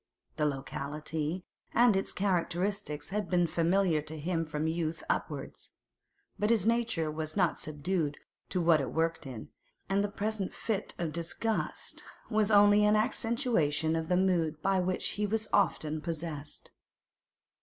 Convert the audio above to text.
The locality and its characteristics had been familiar to him from youth upwards; but his nature was not subdued to what it worked in, and the present fit of disgust was only an accentuation of a mood by which he was often possessed.